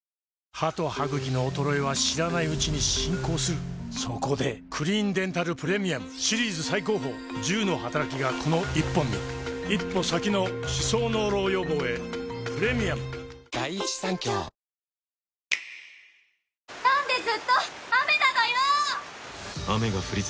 歯と歯ぐきの衰えは知らないうちに進行するそこで「クリーンデンタルプレミアム」シリーズ最高峰１０のはたらきがこの１本に一歩先の歯槽膿漏予防へプレミアムで石井君は？これ持ってきましたお土産です。